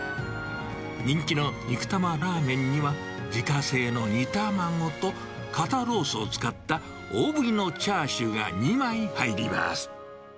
人気の肉玉ラーメンには、自家製の煮卵と、肩ロースを使った大ぶりのチャーシューが２枚入ります。